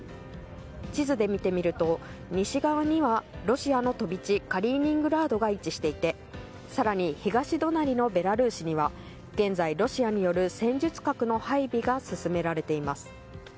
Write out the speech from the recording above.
地図で見てみると西側にはロシアの飛び地カリーニングラードが位置していて更に、東隣のベラルーシには現在、ロシアによる戦術核の配備が進められています。